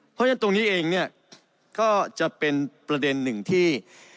เพราะฉะนั้นตรงนี้เองเนี่ยก็จะเป็นประเด็นหนึ่งที่